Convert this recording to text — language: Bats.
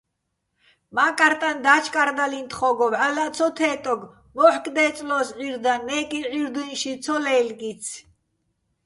მა́კარტაჼ და́ჩკარდალიჼ თხო́გო, ვჵალლაჸ ცო თე́ტოგე̆, მო́ჰ̦̦კ დე́წლო́ს ჵირდაჼ, ნე́კი ჵირდუ́ჲნში ცო ლე́ლგიცი̆.